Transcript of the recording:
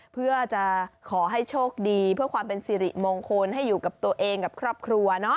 เพื่อจะขอให้โชคดีเพื่อความเป็นสิริมงคลให้อยู่กับตัวเองกับครอบครัว